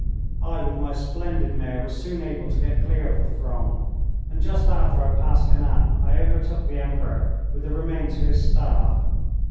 I with my splendid mare was soon able to get clear of the throng, and just after I passed Genappe I overtook the Emperor with the remains of his Staff.